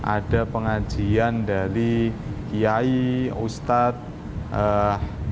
ada pengajian dari kiai ustadz